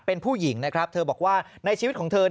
เป็นผู้หญิงนะครับเธอบอกว่าในชีวิตของเธอ